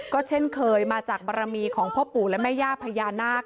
ก็เช่นเคยมาจากบารมีของพ่อปู่และแม่ย่าพญานาค